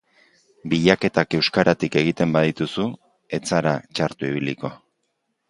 Bilaketak euskaratik egiten badituzu ez zara txarto ibiliko.